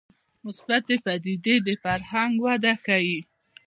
مثبتې پدیدې د فرهنګ وده ښيي